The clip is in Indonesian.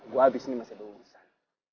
gue habis ini masih ada urusan